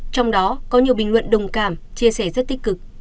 trong đó có nhiều bình luận đồng cảm chia sẻ rất tích cực